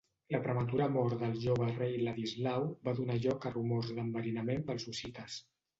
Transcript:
La prematura mort del jove rei Ladislau va donar lloc a rumors d'enverinament pels hussites.